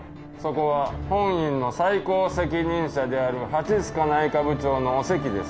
そこは本院の最高責任者である蜂須賀内科部長のお席です。